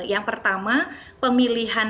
yang pertama pemilihan